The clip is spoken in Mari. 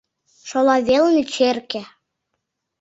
Шола велне — черке.